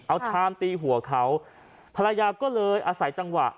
เอาชามตีหัวเขาภรรยาก็เลยอาศัยจังหวะ